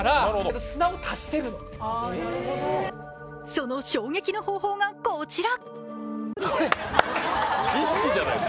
その衝撃の方法がこちら。